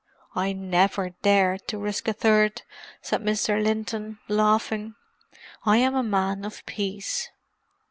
"I never dared to risk a third," said Mr. Linton, laughing. "I am a man of peace."